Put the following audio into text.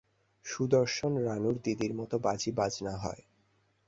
সুদর্শন, রানুর দিদির মতো বাজিবাজনা হয়।